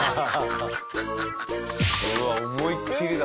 うわっ思いっきりだ。